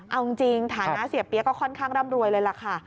เอาจริงฐานะเสียเปี๊ยกก็ค่อนข้างร่ำรวยเลยล่ะค่ะ